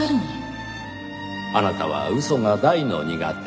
あなたは嘘が大の苦手。